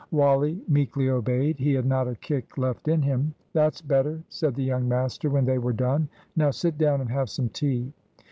Wally meekly obeyed. He had not a kick left in him. "That's better," said the young master when they were done. "Now sit down and have some tea."